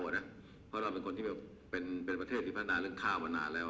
เพราะเราเป็นคนที่เป็นประเทศที่พัฒนาเรื่องข้าวมานานแล้ว